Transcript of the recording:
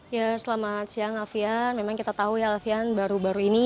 ya selamat siang alfian memang kita tahu ya alfian baru baru ini